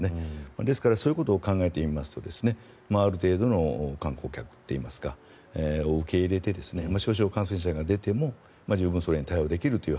ですから、そういうことを考えてみますとある程度の観光客を受け入れて少々、感染者が出てもそれに十分対応できると。